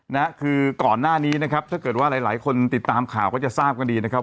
นะฮะคือก่อนหน้านี้นะครับถ้าเกิดว่าหลายหลายคนติดตามข่าวก็จะทราบกันดีนะครับ